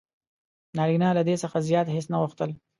نارینه له دې څخه زیات هیڅ نه غوښتل: